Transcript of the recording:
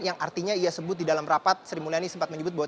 yang artinya ia sebut di dalam rapat sri mulyani sempat menyebut bahwa